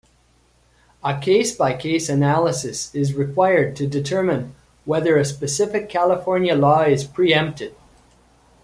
A case-by-case analysis is required to determine whether a specific California law is preempted.